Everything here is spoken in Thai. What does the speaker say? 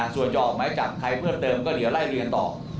ส่วนจะออกหมายจับใครเพิ่มเติมก็เดี๋ยวไล่เรียนต่อ